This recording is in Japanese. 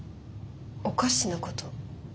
おかしなこと？